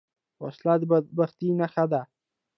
وسله د بدبختۍ نښه ده